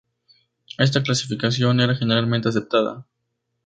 Esta clasificación era generalmente aceptada.